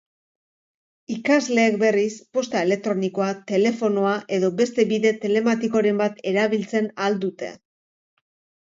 Ikasleek, berriz, posta elektronikoa, telefonoa edo beste bide telematikoren bat erabiltzen ahal dute.